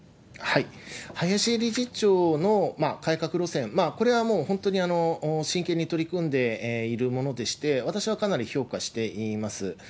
林理事長の改革路線、これはもう本当に真剣に取り組んでいるものでして、私はかなり評価しています。